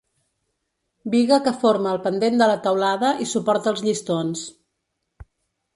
Biga que forma el pendent de la teulada i suporta els llistons.